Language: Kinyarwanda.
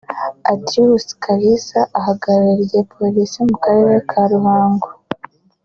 aDrius Kalisa uhagarariye polisi mu karere ka Ruhango